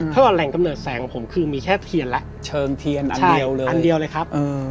ถ้าว่าแหล่งกำเนิดแสงของผมคือมีแค่เทียนแหละอันเดียวเลยครับ